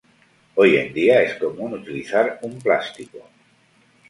Hoy en día es común utilizar un plástico.